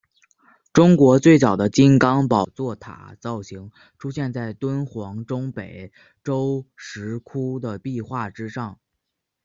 中国最早的金刚宝座塔造型出现在敦煌中北周石窟的壁画之上。